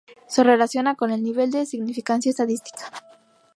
Se relaciona con el nivel de significancia estadística.